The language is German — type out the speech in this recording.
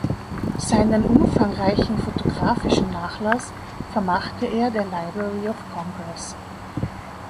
Seinen umfangreichen fotografischen Nachlass vermachte er der Library of Congress.